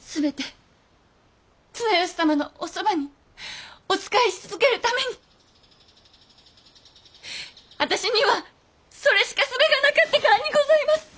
全て綱吉様のおそばにお仕えし続けるために私にはそれしか術がなかったからにございます！